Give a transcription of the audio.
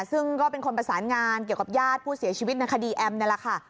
ซึ่งก็เป็นคนประสานงานเกี่ยวกับญาติผู้เสียชีวิตในคดีแอมนี่แหละค่ะ